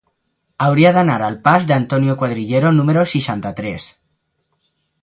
Hauria d'anar al pas d'Antonio Cuadrillero número seixanta-tres.